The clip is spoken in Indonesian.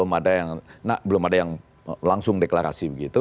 karena belum ada yang langsung deklarasi begitu